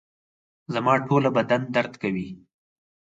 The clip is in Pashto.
زما ټوله بدن درد کوي